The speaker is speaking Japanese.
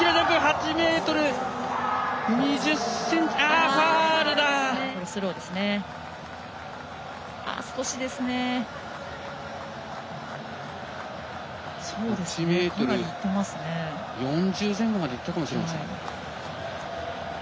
８ｍ４０前後までいったかもしれません。